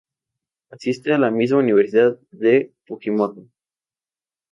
Asiste a la misma universidad de Fujimoto.